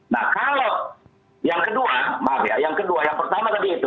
nah kalau yang kedua maaf ya yang kedua yang pertama tadi itu